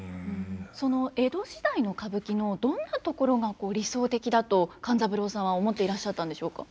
その江戸時代の歌舞伎のどんなところが理想的だと勘三郎さんは思っていらっしゃったんでしょうか？